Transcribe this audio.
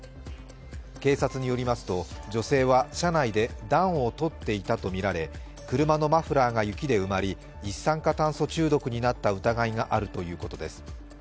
警察によりますと女性は車内で暖を取っていたとみられ車のマフラーが雪で埋まり一酸化炭素中毒になった疑いがあるということです。